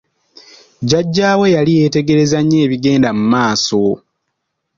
Jjajjaawe yali yeetegereza nnyo ebigenda mu maaso.